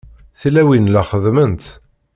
Tilawin la xeddment.